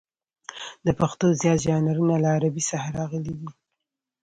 د پښتو زیات ژانرونه له عربي څخه راغلي دي.